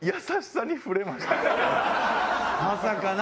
まさかな。